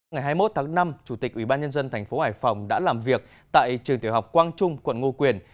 ngày hai mươi một tháng năm chủ tịch ubnd tp hải phòng đã làm việc tại trường tiểu học quang trung quận ngô quyền